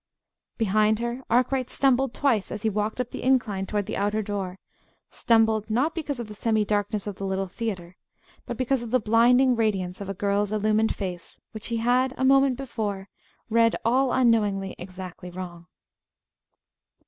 Behind her, Arkwright stumbled twice as he walked up the incline toward the outer door stumbled, not because of the semi darkness of the little theatre, but because of the blinding radiance of a girl's illumined face which he had, a moment before, read all unknowingly exactly wrong.